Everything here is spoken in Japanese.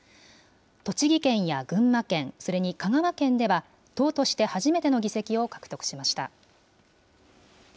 栃木県や群馬県、それに香川県では、党として初めての議席を獲得しました。